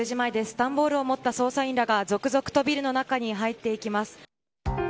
段ボールを持った捜査員が続々とビルの中に入っていきます。